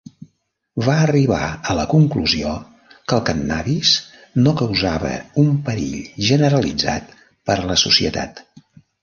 Va arribar a la conclusió que el cànnabis no causava un perill generalitzat per a la societat.